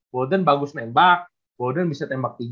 bolden bagus nembak bolden bisa tembak